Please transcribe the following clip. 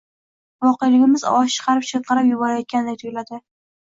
voqeligimiz ovoz chiqarib chinqirab yuborayotgandek tuyuladi.